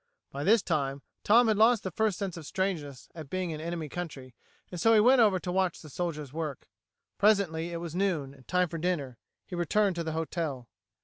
By this time Tom had lost the first sense of strangeness at being in the enemy country, and so he went over to watch the soldiers work. Presently it was noon, and time for dinner. He returned to the hotel.